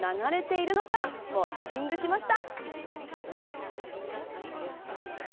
何が流れているのかウオッチングしました。